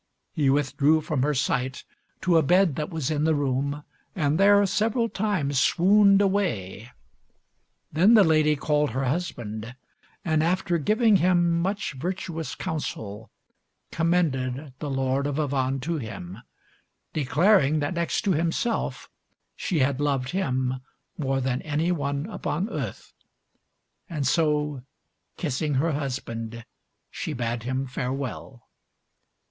He withdrew from her sight to a bed that was in the room, and there several times swooned away. Then the lady called her husband, and, after giving him much virtuous counsel, commended the Lord of Avannes to him, declaring that next to himself she had loved him more than any one upon earth, and so, kissing her husband, she bade him farewell.